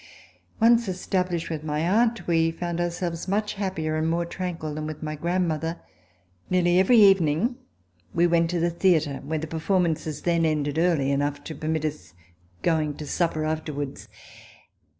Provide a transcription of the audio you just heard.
Once estabUshed with my aunt, we found our selves much happier and more tranquil than with my grandmother. Nearly every evening we went to the theatre, where the performances then ended early enough to permit our going to supper afterwards.